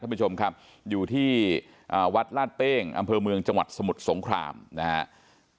ผู้ชมครับอยู่ที่วัดลาดเป้งอำเภอเมืองจังหวัดสมุทรสงครามนะครับ